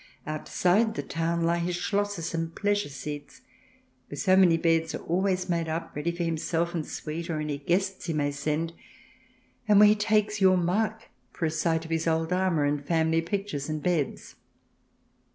Outside the town lie his Schlosses and pleasure seats, where so many beds are always made up, ready for himself and suite, or any guests he may send, and where he takes your mark for a sight of his old armour, and family pictures and beds.